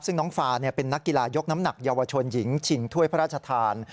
ซึ่งน้องฟาเป็นนักกีฬายกน้ำหนักเยาวชนหญิงชิงถ้วยพระราชทาน